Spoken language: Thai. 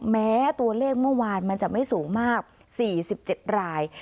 แม้ตัวเลขเมื่อวานมันจะไม่สูงมาก๔๗ราย